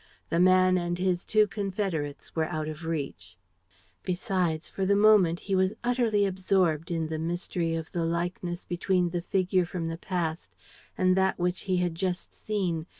The man and his two confederates were out of reach. Besides, for the moment he was utterly absorbed in the mystery of the likeness between the figure from the past and that which he had just seen.